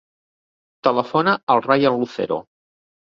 Telefona al Rayan Lucero.